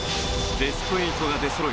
ベスト８が出そろい